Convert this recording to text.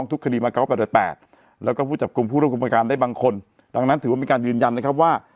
ทุกคดีมา๙๘๘แล้วก็ผู้จับกลุ่มผู้ร่วมกลุ่มประการได้บางคนดังนั้นถือว่ามีการยืนยันนะครับว่า